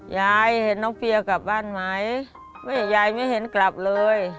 ยายเห็นน้องเฟียกลับบ้านไหมแม่ยายไม่เห็นกลับเลย